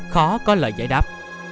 khó có lợi giải đáp